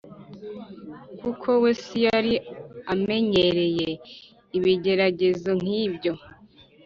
kuko we si yari amenyereye ibigeragezo nk’ibyo.